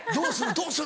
どうする？」